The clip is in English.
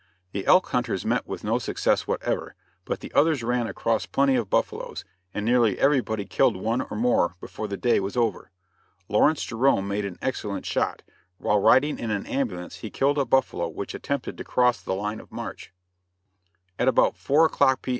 The elk hunters met with no success whatever, but the others ran across plenty of buffaloes, and nearly everybody killed one or more before the day was over. Lawrence Jerome made an excellent shot; while riding in an ambulance he killed a buffalo which attempted to cross the line of march. At about four o'clock P.